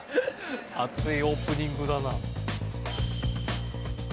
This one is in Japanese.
熱いオープニングだな。